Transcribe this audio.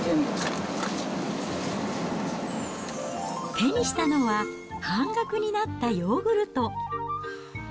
手にしたのは、半額になったヨーグルト。